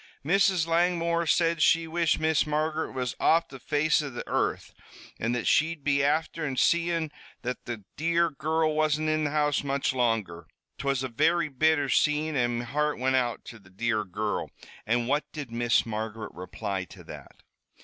"Mrs. Langmore said she wished Miss Margaret was off the face of the earth, an' that she'd be afther seein' that the dear girrul wasn't in the house much longer. 'Twas a very bitter scene, an' me heart wint out to the dear girrul " "And what did Miss Margaret reply to that?"